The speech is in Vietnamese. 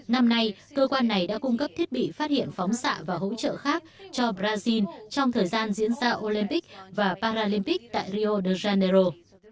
năm nay cơ quan này đã cung cấp thiết bị phát hiện phóng xạ và hỗ trợ khác cho brazil trong thời gian diễn ra olympic và paralympic tại rio de janeiro